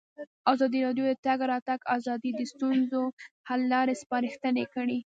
ازادي راډیو د د تګ راتګ ازادي د ستونزو حل لارې سپارښتنې کړي.